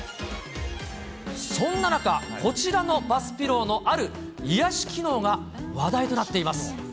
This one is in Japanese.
そんな中、こちらのバスピローのある癒やし機能が話題となっています。